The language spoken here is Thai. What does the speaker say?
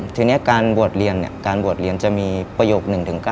ทีนี้การบวชเรียนจะมีประโยค๑๙